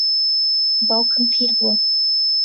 باوکم پیر بووە.